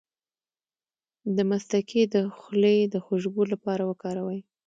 د مصطکي د خولې د خوشبو لپاره وکاروئ